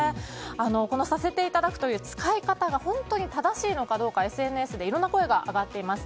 このさせていただくという使い方が本当に正しいかどうかＳＮＳでいろんな声が上がっています。